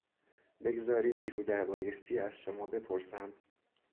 بگذارید بیرودربایستی از شما بپرسم.